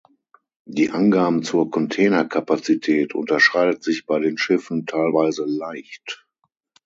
Die Angaben zur Containerkapazität unterscheidet sich bei den Schiffen teilweise leicht.